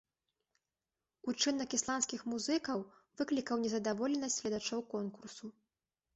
Учынак ісландскіх музыкаў выклікаў незадаволенасць гледачоў конкурсу.